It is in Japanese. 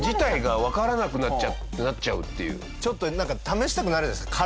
ちょっとなんか試したくなるじゃないですか。